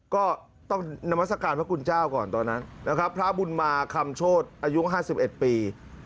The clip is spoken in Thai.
ก็ต้องนามัศกาลพระคุณเจ้าก่อนตอนนั้นนะครับพระบุญมาคำโชธอายุ๕๑ปี